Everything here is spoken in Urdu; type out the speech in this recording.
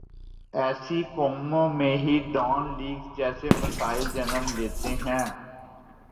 ایسی قوموں میں ہی ڈان لیکس جیسے مسائل جنم لیتے ہیں۔